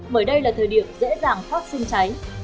bởi đây là thời điểm dễ dàng phát sinh cháy